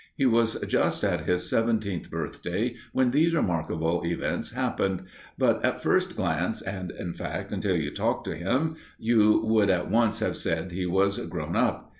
He was just at his seventeenth birthday when these remarkable events happened; but at first glance, and, in fact, until you talked to him, you would at once have said he was grown up.